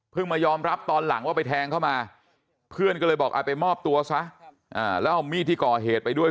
มายอมรับตอนหลังว่าไปแทงเข้ามาเพื่อนก็เลยบอกไปมอบตัวซะแล้วเอามีดที่ก่อเหตุไปด้วย